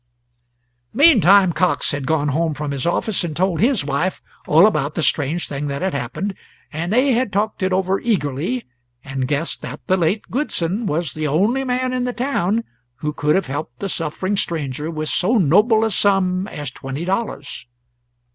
Meantime Cox had gone home from his office and told his wife all about the strange thing that had happened, and they had talked it over eagerly, and guessed that the late Goodson was the only man in the town who could have helped a suffering stranger with so noble a sum as twenty dollars.